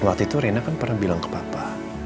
waktu itu rena kan pernah bilang ke papa